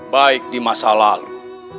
baik di masa lalu